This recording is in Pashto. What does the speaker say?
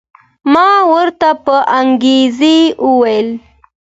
ما ورته په انګریزي وویل.